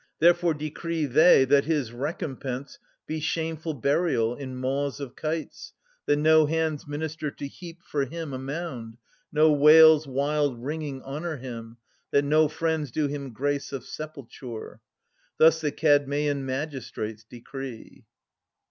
Therefore decree they that his recompense 1020 Be shameful burial in maws of kites, That no hands minister to heap for him A mound, no wails wild ringing honour him, That no friends do him grace of sepulture. Thus the Kadmeian magistrates decree.